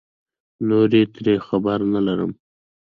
نور ترې خبر نه لرم